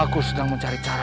aku sedang mencari cat